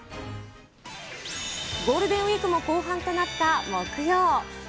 ゴールデンウィークも後半となった木曜。